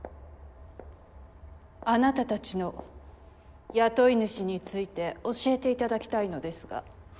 あなたたちの雇い主について教えていただきたいのですが。